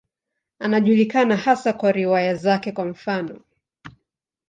Anajulikana hasa kwa riwaya zake, kwa mfano.